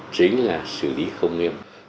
chính là xử lý không nghiêm